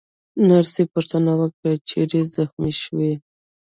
نرسې پوښتنه وکړه: چیرې زخمي شوې؟